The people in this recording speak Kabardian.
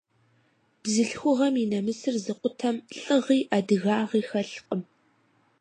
Бзылъхугъэм и нэмысыр зыкъутэм, лӀыгъи, адыгагъи хэлъкъым.